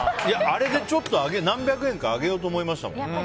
あれでちょっと何百円か上げようと思いましたもん。